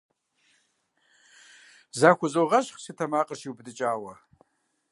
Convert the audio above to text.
Захузогъэщхъ, си тэмакъыр щиубыдыкӀауэ.